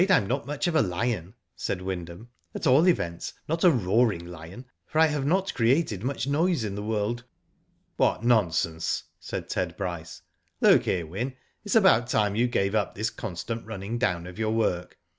Vm not much of a lion," said Wyndham. At all events, not a roaring lion, for I have not created much noise in the world." '* What nonsense," said Ted Bryce. '* Look here, Wyn, it's about time you gave up this con stant running down of your work.